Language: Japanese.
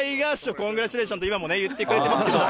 コングラッチュレーションって今もね、言ってくれてますけど。